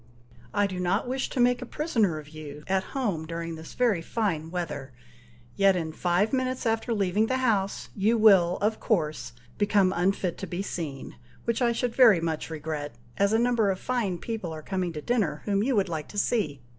"I do not wish to make a prisoner of you at home during this very fine weather, yet in five minutes after leaving the house, you will, of course, become unfit to be seen, which I should very much regret, as a number of fine people are coming to dinner, whom you would like to see.